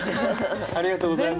ありがとうございます。